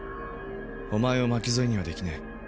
「おまえを巻き添えにはできない」